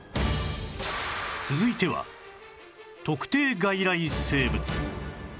続いては特定外来生物